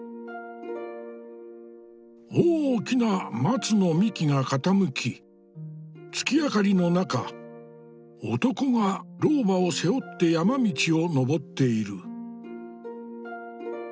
大きな松の幹が傾き月明かりの中男が老婆を背負って山道を登っている。